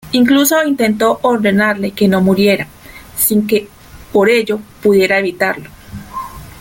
Incluso intentó ordenarle que no muriera, sin que por ello pudiera evitarlo.